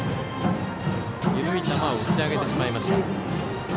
緩い球を打ち上げてしまいました。